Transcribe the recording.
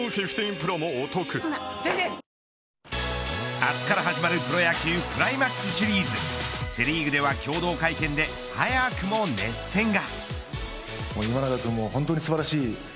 明日から始まるプロ野球クライマックスシリーズセ・リーグでは共同会見で早くも熱戦が。